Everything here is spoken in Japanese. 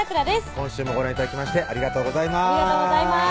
今週もご覧頂きましてありがとうございます